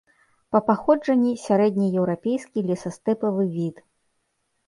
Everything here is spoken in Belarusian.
Па паходжанні сярэднееўрапейскі лесастэпавы від.